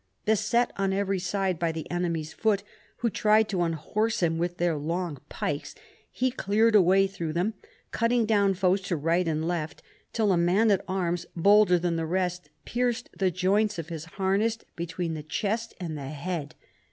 Beset on every side by the enemies' foot, who tried to unhorse him with their long pikes, he cleared a way through them, cutting down foes to right and left, till a man at arms bolder than the rest pierced the joints of his harness between the chest and the head.